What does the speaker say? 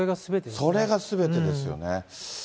それがすべてですよね。